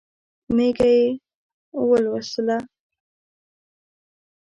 مېږه یې ولوسله.